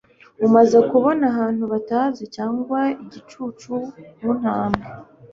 umaze kubona abantu batazi cyangwa igicucu kuntambwe